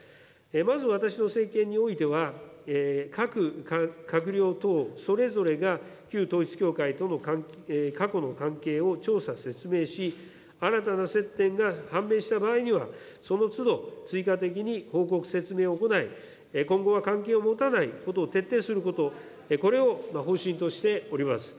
まず、私の政権においては、各閣僚等、それぞれが旧統一教会との過去の関係を調査、説明し、新たな接点が判明した場合には、そのつど、追加的に報告、説明を行い、今後は関係を持たないことを徹底すること、これを方針としております。